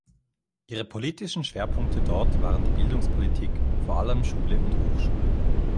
Ihre politischen Schwerpunkte dort waren die Bildungspolitik, vor allem Schule und Hochschule.